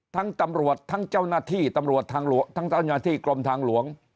ตำรวจทั้งเจ้าหน้าที่ตำรวจทางหลวงทั้งเจ้าหน้าที่กรมทางหลวง